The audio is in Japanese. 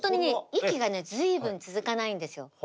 息がね随分続かないんですよ。